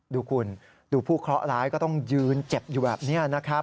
ดูคุณดูผู้เคราะห์ร้ายก็ต้องยืนเจ็บอยู่แบบนี้นะครับ